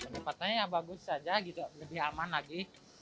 tempatnya bagus saja lebih aman lagi